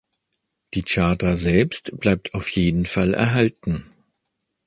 Die Charta selbst bleibt auf jeden Fall erhalten.